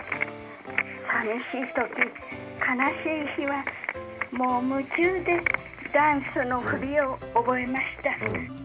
寂しい時、悲しい日はもう夢中でダンスの振りを覚えました。